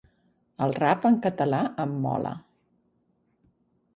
El rap en català em mola.